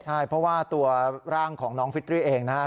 ใช่เพราะว่าตัวร่างของน้องฟิตรีเองนะครับ